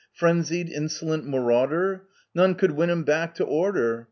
Frenzied, insolent marauder ! None could win him back to order.